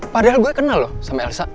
padahal gue kenal loh sama elsa